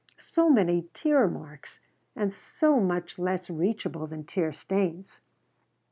So many tear marks, and so much less reachable than tear stains.